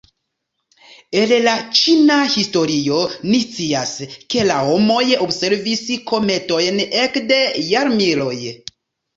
El la ĉina historio ni scias, ke la homoj observis kometojn ekde jarmiloj.